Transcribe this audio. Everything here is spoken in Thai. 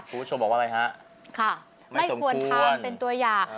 คุณผู้ชมบอกว่าอะไรฮะค่ะไม่ควรทำเป็นตัวอย่าง